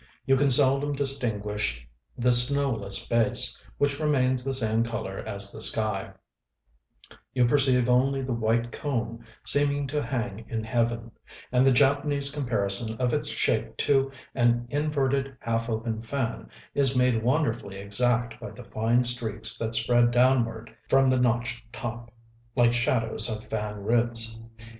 You can seldom distinguish the snowless base, which remains the same color as the sky: you perceive only the white cone seeming to hang in heaven; and the Japanese comparison of its shape to an inverted half open fan is made wonderfully exact by the fine streaks that spread downward from the notched top, like shadows of fan ribs.